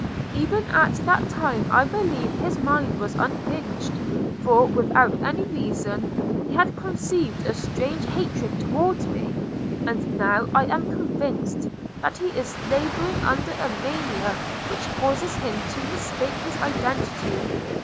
Even at that time I believe his mind was unhinged, for, without any reason, he had conceived a strange hatred towards me; and now I am convinced that he is labouring under a mania which causes him to mistake his identity.